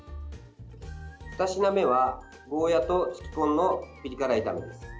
２品目は、ゴーヤーとつきこんのピリ辛炒めです。